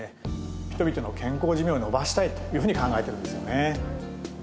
人々の健康寿命を延ばしたいというふうに考えてるんですよね。